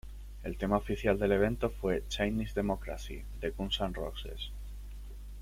El Tema oficial del evento fue ""Chinese Democracy"" de Guns N' Roses.